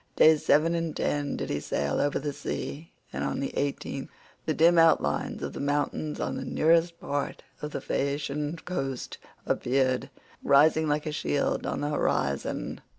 Days seven and ten did he sail over the sea, and on the eighteenth the dim outlines of the mountains on the nearest part of the Phaeacian coast appeared, rising like a shield on the horizon.